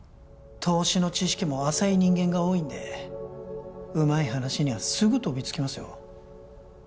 投資の知識も浅い人間が多いんでうまい話にはすぐとびつきますよ